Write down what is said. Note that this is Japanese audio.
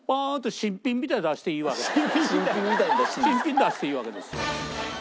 新品出していいわけです。